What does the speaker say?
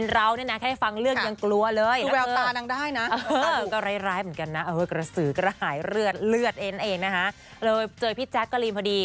แล้วเจอพี่แจ๊คกรีมพอดี